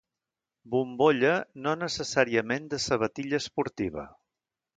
Bombolla, no necessàriament de sabatilla esportiva.